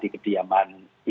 di kediaman ibu